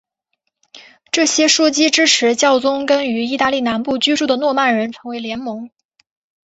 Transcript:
这些枢机支持教宗跟于意大利南部居住的诺曼人成为联盟。